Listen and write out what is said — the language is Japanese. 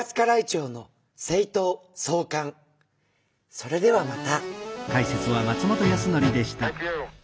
それではまた。